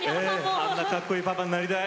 あんなかっこいいパパになりたい。